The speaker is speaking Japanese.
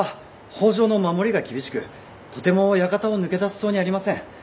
北条の守りが厳しくとても館を抜け出せそうにありません。